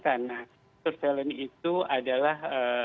karena surveillance itu adalah